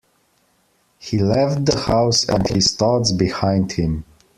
He left the house and his thoughts behind him.